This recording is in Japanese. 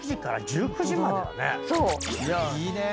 いいね。